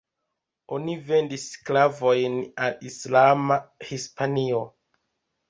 Oni vendis sklavojn al islama Hispanio.